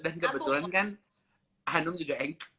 dan kebetulan kan hanum juga engk